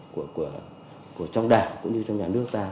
của trong đảng cũng như trong nhà nước ta